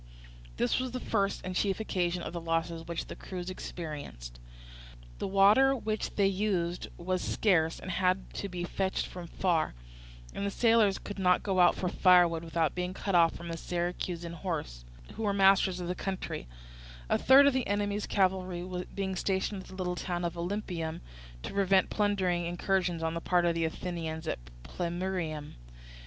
This was the first and chief occasion of the losses which the crews experienced. The water which they used was scarce and had to be fetched from far, and the sailors could not go out for firewood without being cut off by the Syracusan horse, who were masters of the country; a third of the enemy's cavalry being stationed at the little town of Olympieum, to prevent plundering incursions on the part of the Athenians at Plemmyrium.